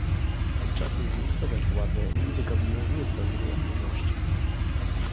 Tymczasem miejscowe władze nie wykazują niezbędnej aktywności